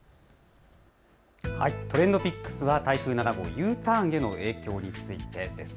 ＴｒｅｎｄＰｉｃｋｓは台風７号、Ｕターンへの影響についてです。